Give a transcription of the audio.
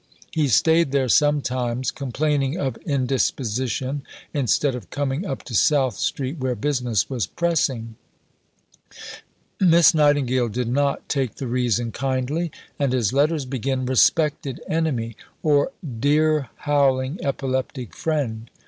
He stayed there sometimes, complaining of indisposition, instead of coming up to South Street where business was pressing. Miss Nightingale did not take the reason kindly, and his letters begin, "Respected Enemy" or "Dear howling epileptic Friend."